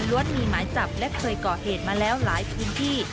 มีหมายจับและเคยก่อเหตุมาแล้วหลายพื้นที่